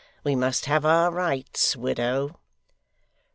We must have our rights, widow.